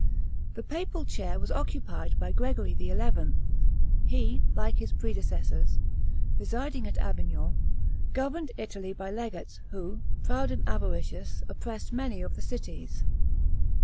The papal chair was occupied by Gregory XI. He, like his predecessors, residing at Avignon, governed Italy by legates, who, proud and avaricious, oppressed many of the cities.